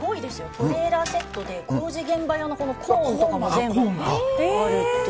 トレーラーセットで、工事現場用のこのコーンとかも全部あるっていう。